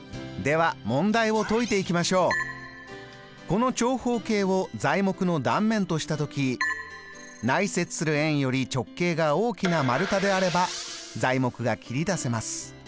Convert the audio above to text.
この長方形を材木の断面とした時内接する円より直径が大きな丸太であれば材木が切り出せます。